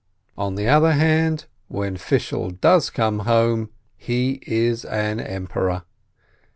On the other hand, when Fishel does come home, he is an emperor!